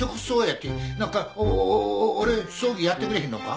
何か俺葬儀やってくれへんのか？